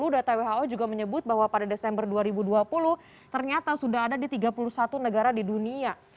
data who juga menyebut bahwa pada desember dua ribu dua puluh ternyata sudah ada di tiga puluh satu negara di dunia